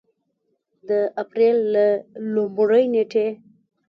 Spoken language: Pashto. د اپرېل له لومړۍ نېټې